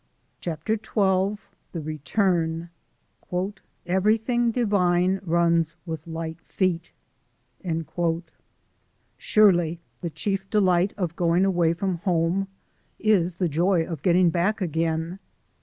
CHAPTER XII. THE RETURN "Everything divine runs with light feet." Surely the chief delight of going away from home is the joy of getting back again.